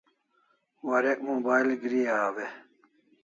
Warek mobile agri aw e?